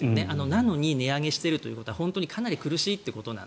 なのに値上げしているということはかなり苦しいと。